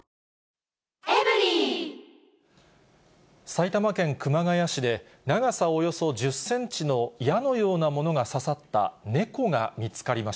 埼玉県熊谷市で、長さおよそ１０センチの矢のようなものが刺さった猫が見つかりま